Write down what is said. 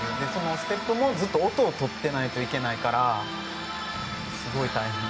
ステップもずっと音をとってないといけないからすごい大変。